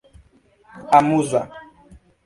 amuza